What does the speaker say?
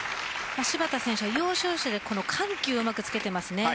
芝田選手は要所要所で緩急をうまくつけていますね。